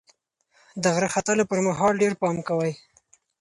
د غره ختلو پر مهال ډېر پام کوئ.